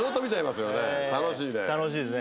楽しいですね。